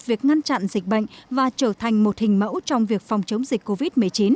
việc ngăn chặn dịch bệnh và trở thành một hình mẫu trong việc phòng chống dịch covid một mươi chín